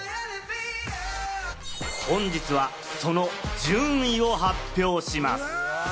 本日はその順位も発表します。